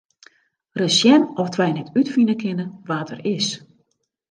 Ris sjen oft wy net útfine kinne wa't er is.